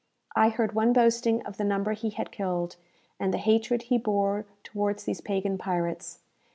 I heard one boasting of the number he had killed, and the hatred he bore towards these pagan pirates.